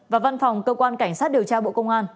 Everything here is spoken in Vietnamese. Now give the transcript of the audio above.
và văn phòng cơ quan cảnh sát điều tra bộ công an